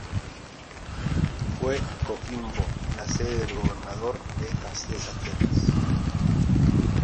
Fue Coquimbo la sede del gobernador de esas tierras.